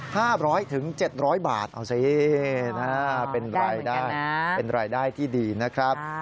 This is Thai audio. ๕๐๐๗๐๐บาทเอาสิเป็นรายได้ที่ดีนะครับ